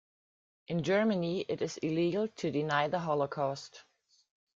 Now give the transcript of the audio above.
In Germany it is illegal to deny the holocaust.